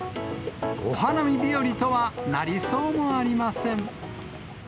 お花見日和とはなりそうもありません。